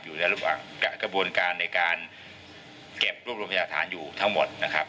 อยู่ในระหว่างกระบวนการในการเก็บรวบรวมพยาฐานอยู่ทั้งหมดนะครับ